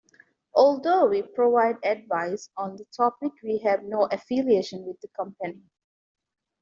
Although we provide advice on the topic, we have no affiliation with the company.